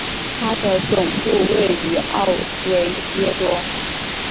它的总部位于奥维耶多。